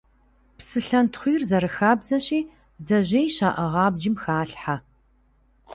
Псылъэнтхъуийр, зэрыхабзэщи, бдзэжьей щаӀыгъ абджым халъхьэ.